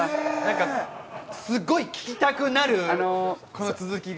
すごい聴きたくなる、この続きが。